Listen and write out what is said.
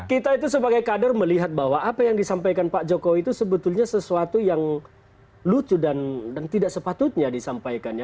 kita itu sebagai kader melihat bahwa apa yang disampaikan pak jokowi itu sebetulnya sesuatu yang lucu dan tidak sepatutnya disampaikan ya